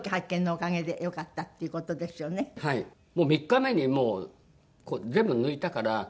３日目にもう全部抜いたから。